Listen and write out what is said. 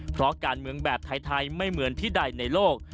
เพราะการเมืองแบบไทยไม่เหมือนที่ใดในโลก